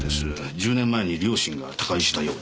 １０年前に両親が他界したようで。